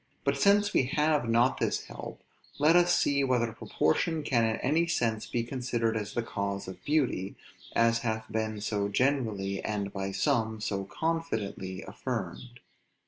But since we have not this help, let us see whether proportion can in any sense be considered as the cause of beauty, as hath been so generally, and, by some, so confidently affirmed.